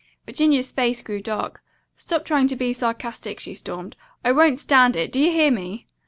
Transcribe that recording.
Virginia's face grew dark. "Stop trying to be sarcastic," she stormed. "I won't stand it. Do you hear me?"